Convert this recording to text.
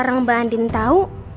sekarang mbak andi tau